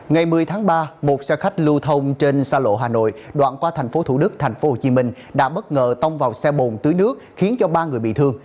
ngày một mươi tháng ba một xe khách lưu thông trên xa lộ hà nội đoạn qua thành phố thủ đức thành phố hồ chí minh đã bất ngờ tông vào xe bồn tưới nước khiến cho ba người bị thương